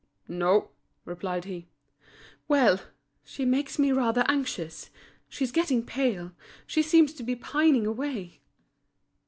"No," replied he. "Well! she makes me rather anxious. She's getting pale, she seems to be pining away."